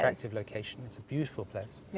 direktur sudah mengatakan